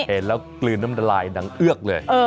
เห็นแล้วกลืนน้ำลายดังเอือกเลย